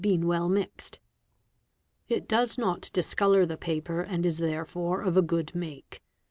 58. been well mixed. It does not dis colour the paper, and is therefore of a good make.